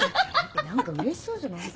何かうれしそうじゃない。